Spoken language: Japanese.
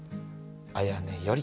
あやねより」。